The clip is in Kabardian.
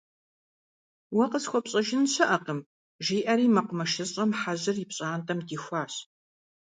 Уэ къысхуэпщӀэжын щыӀэкъым, - жиӀэри МэкъумэшыщӀэм Хьэжьыр ипщӀантӀэм дихуащ.